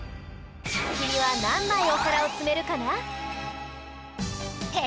きみはなんまいおさらをつめるかな？へ